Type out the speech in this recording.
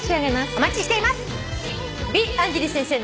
お待ちしています。